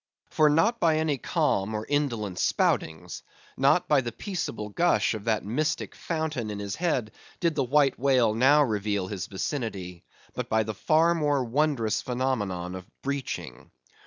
For not by any calm and indolent spoutings; not by the peaceable gush of that mystic fountain in his head, did the White Whale now reveal his vicinity; but by the far more wondrous phenomenon of breaching.